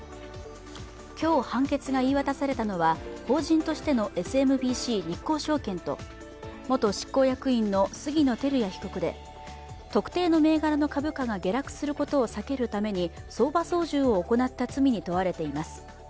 今日判決が言い渡されたのは法人としてのＳＭＢＣ日興証券と元執行役員の杉野輝也被告で、特定の銘柄の株価が下落することを避けるために相場操縦を行った罪に問われています。